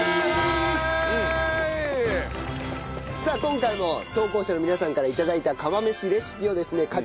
さあ今回も投稿者の皆さんから頂いた釜飯レシピをですね